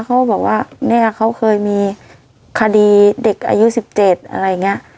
เขาบอกว่าเนี่ยเขาเคยมีคดีเด็กอายุ๑๗อะไรอย่างนี้